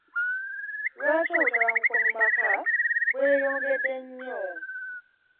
Lwaki obutabanguko mu maka bweyongedde nnyo?